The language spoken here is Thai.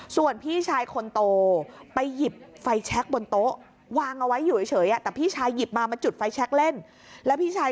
ส่วนพี่ชายคนโตไปหยิบไฟแชคบนโต๊ะวางเอาไว้อยู่เฉย